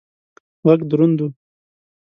غږ دروند و.